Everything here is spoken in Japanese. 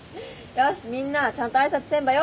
よしみんなちゃんと挨拶せんばよ。